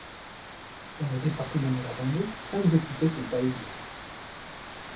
Dans le département de la Vendée, cinq députés sont à élire.